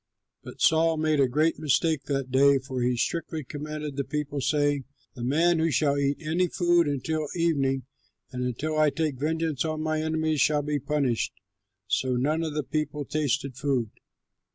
But Saul made a great mistake that day, for he strictly commanded the people, saying, "The man who shall eat any food until evening and until I take vengeance on my enemies shall be punished." So none of the people tasted food.